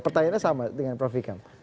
pertanyaannya sama dengan prof ikam